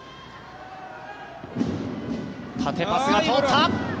縦パスが通った。